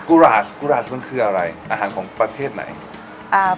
โกราชโกราชมันคืออะไรอาหารของประเทศไหน